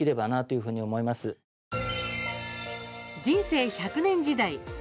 人生１００年時代。